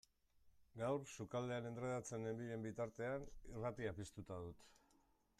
Gaur, sukaldean endredatzen nenbilen bitartean, irratia piztuta dut.